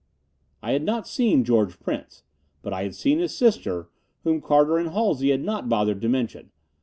I had not seen George Prince. But I had seen his sister, whom Carter and Halsey had not bothered to mention.